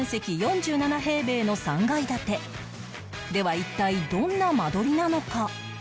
一体どんな間取りなのか？